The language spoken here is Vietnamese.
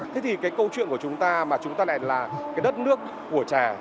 thế thì cái câu chuyện của chúng ta mà chúng ta lại là cái đất nước của trà